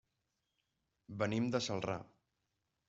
Venim de Celrà.